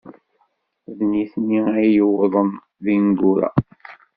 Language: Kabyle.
D nitni ay d-yuwḍen d imeggura.